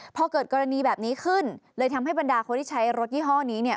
พอเกิดกรณีแบบนี้ขึ้นเลยทำให้บรรดาคนที่ใช้รถยี่ห้อนี้เนี่ย